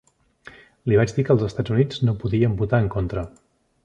Li vaig dir que els Estats Units no podien votar en contra.